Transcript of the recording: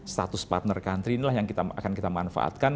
status partner country inilah yang akan kita manfaatkan